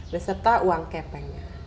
beserta uang kepengnya